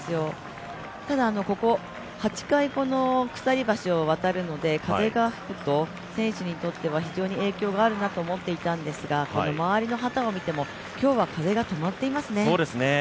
ただここ、８回鎖橋を渡るので風が吹くと、選手にとっては非常に影響があるなというふうには思っていたんですがこの周りの旗を見ても、今日は風が止まっていますね。